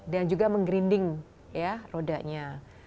dan juga menggrinding ya rodanya